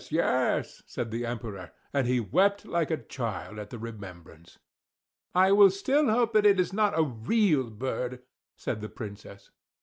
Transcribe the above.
yes!" said the Emperor, and he wept like a child at the remembrance. "I will still hope that it is not a real bird," said the Princess.